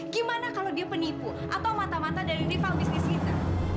gimana kalau dia penipu atau mata mata dari rival business reaser